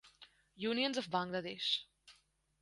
Unions of Bangladesh